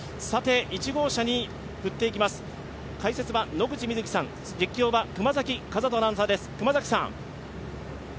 １号車に振っていきます、解説は野口みずきさん、解説は野口みずきさん、実況は熊崎風斗アナウンサーです。